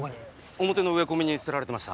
表の植え込みに捨てられてました。